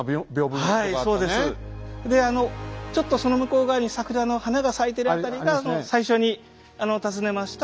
あのちょっとその向こう側に桜の花が咲いてる辺りが最初に訪ねました。